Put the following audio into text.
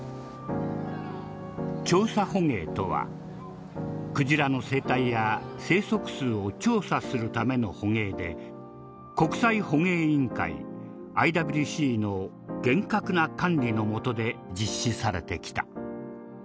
調査捕鯨とはクジラの生態や生息数を調査するための捕鯨で国際捕鯨委員会ＩＷＣの厳格な管理のもとで実施されてきた。